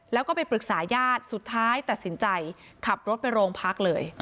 แล้วก็ไปปรึกษาญาติสุดท้ายตัดสินใจขับรถไปโรงพักเลย